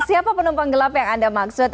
siapa penumpang gelap yang anda maksud